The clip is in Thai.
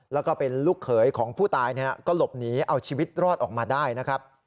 แล้วก็เป็นลูกเขยของผู้ตายก็หลบหนีเอาชีวิตรอดออกมาได้นะครับ